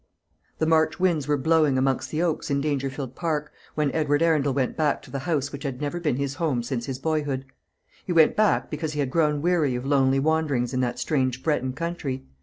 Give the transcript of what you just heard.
The March winds were blowing amongst the oaks in Dangerfield Park, when Edward Arundel went back to the house which had never been his home since his boyhood. He went back because he had grown weary of lonely wanderings in that strange Breton country.